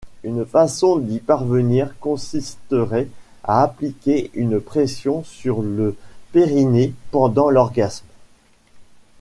Une façon d'y parvenir consisterait à appliquer une pression sur le périnée pendant l'orgasme.